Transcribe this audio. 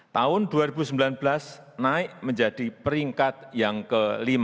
tahun dua ribu sembilan belas naik menjadi peringkat yang ke lima